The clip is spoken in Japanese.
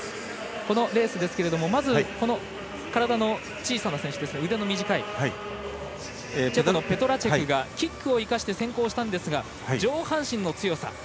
このレースまず体の小さな選手腕の短い、ペトラチェクがキックを生かして先行したんですが上半身の強さ。